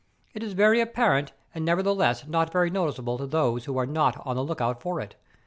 It is very apparent and nevertheless not very noticeable to those who are not on the look out for it.